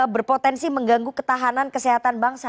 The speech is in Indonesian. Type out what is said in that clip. berpotensi mengganggu ketahanan kesehatan bangsa